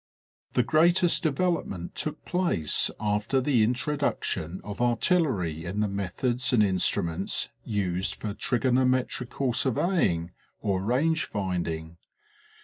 The greatest development took place after the introduction of artillery in the methods and instruments used for tr igonometrical surveying or range finding.